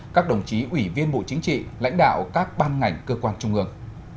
các đồng chí ủy viên bộ chính trị lãnh đạo các ban ngành cơ quan trung ương